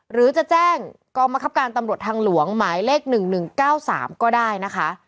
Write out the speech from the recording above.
หรือจะแจ้งกองบังคับการตำรวจทางหลวงหมายเลข๑๑๙๓ก็ได้นะคะ